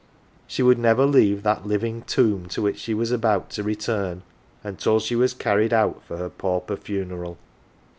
She would never leave that living tomb to which she was about to return until she was carried out for her pauper funeral.